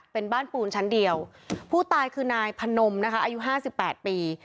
เป็นบ้านปูนชั้นเดียวผู้ตายคือนายพนมนะคะอายุห้าสิบแปดปี